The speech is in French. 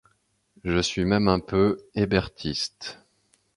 Je suis même un peu hébertiste.